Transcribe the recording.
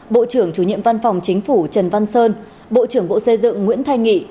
bộ trưởng chủ nhiệm văn phòng chính phủ trần văn sơn bộ trưởng bộ xây dựng nguyễn thanh nghị